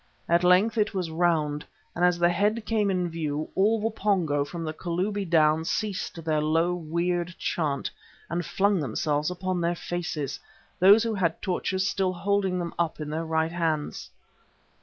At length it was round, and as the head came in view all the Pongo from the Kalubi down ceased their low, weird chant and flung themselves upon their faces, those who had torches still holding them up in their right hands.